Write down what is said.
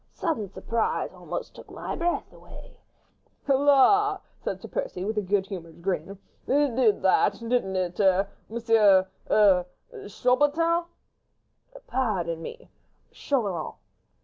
Sudden surprise almost took my breath away." "La!" said Sir Percy, with a good humoured grin, "it did that quite, didn't it—er—M.—er—Chaubertin?" "Pardon me—Chauvelin."